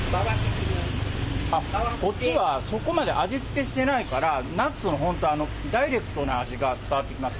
こっちはそこまで味付けしてないから、ナッツの本当、ダイレクトな味が伝わってきます。